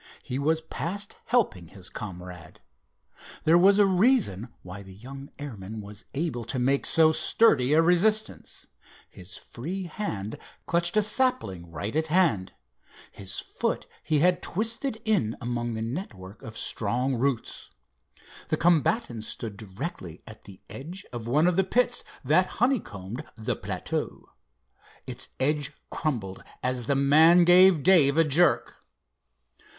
He was past helping his comrade. There was a reason why the young airman was able to make so sturdy a resistance. His free hand clutched a sapling right at hand. His foot he had twisted in among the network of strong roots. The combatants stood directly at the edge of one of the pits that honeycombed the plateau. Its edge crumbled as the man gave Dave a jerk.